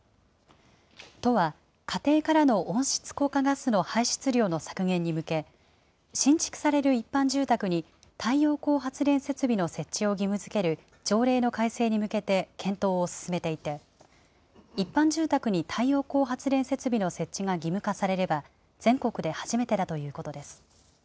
都は、家庭からの温室効果ガスの排出量の削減に向け、新築される一般住宅に、太陽光発電設備の設置を義務づける条例の改正に向けて検討を進めていて、一般住宅に太陽光発電設備の設置が義務化されれば、全国で初めてだということです。